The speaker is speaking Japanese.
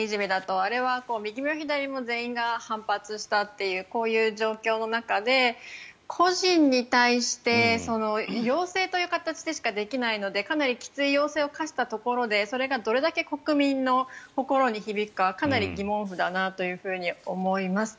あれは右も左も全員が反発したというこういう状況の中で個人に対して要請という形でしかできないのでかなりきつい要請を課したところでそれがどれだけ国民の心に響くかはかなり疑問符だなと思います。